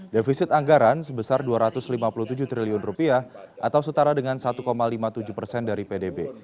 defisit anggaran sebesar dua ratus lima puluh tujuh triliun atau setara dengan satu lima puluh tujuh persen dari pdb